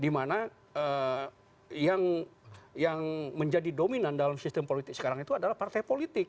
dimana yang menjadi dominan dalam sistem politik sekarang itu adalah partai politik